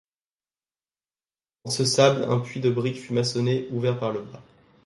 Dans ce sable un puits de briques fut maçonné, ouvert par le bas.